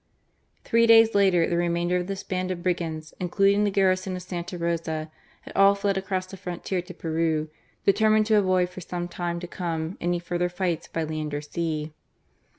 Three days later the remainder of this band of brigands, including the garrison of Santa Rosa, had all fled across the frontier to Peru, determined to avoid for some time to come any further fights by land or sea.